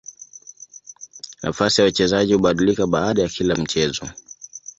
Nafasi ya wachezaji hubadilika baada ya kila mchezo.